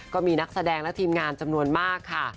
ก็มีนักแสดงและทีมงานจำนวนมากค่ะ